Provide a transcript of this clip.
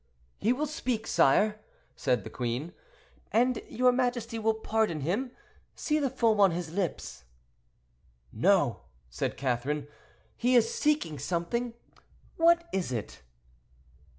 "He will speak, sire," said the queen; "and your majesty will pardon him. See the foam on his lips." "No," said Catherine; "he is seeking something. What is it?"